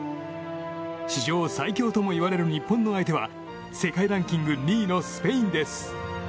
史上最強ともいわれる日本の相手は世界ランキング２位のスペインです。